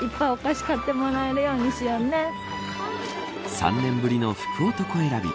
３年ぶりの福男選び